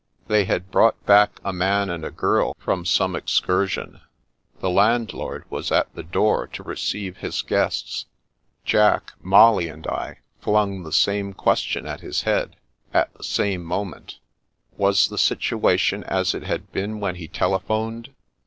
They had brought back a man and a girl from some excursion. The landlord was at the door to receive his guests. Jack, Molly, and I fitmg the same question at his head, at the same moment. Was the situation as it had been when he telephoned?